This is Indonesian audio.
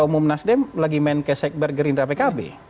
umum nasdem lagi main ke sekber gerindra pkb